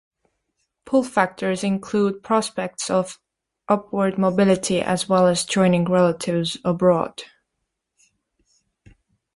Pull factors include prospects of upward mobility as well as joining relatives abroad.